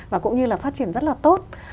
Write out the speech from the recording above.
và cũng như là phát triển rất là tốt